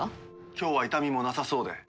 今日は痛みもなさそうで。